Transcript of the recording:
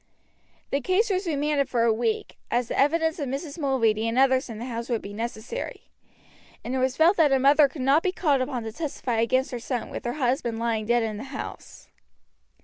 The case was remanded for a week, as the evidence of Mrs. Mulready and the others in the house would be necessary, and it was felt that a mother could not be called upon to testify against her son with her husband lying dead in the house.